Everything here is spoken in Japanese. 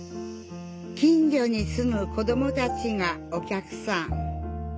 近所に住む子どもたちがお客さん。